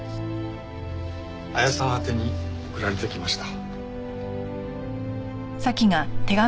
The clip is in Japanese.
亜矢さん宛てに送られてきました。